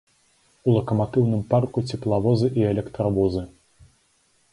У лакаматыўным парку цеплавозы і электравозы.